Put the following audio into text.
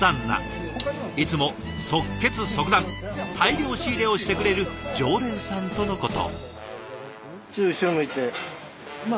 いつも即決即断大量仕入れをしてくれる常連さんとのこと。